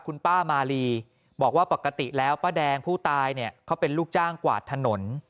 คุณป้ามาลีบอกว่าปกติแล้วป้าแดงผู้ตายเนี่ยเขาเป็นลูกจ้างกวาดถนน